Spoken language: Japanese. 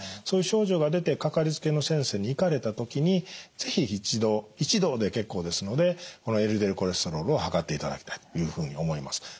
そういう症状が出てかかりつけの先生に行かれた時に是非一度一度で結構ですのでこのＬＤＬコレステロールを測っていただきたいというふうに思います。